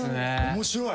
面白い！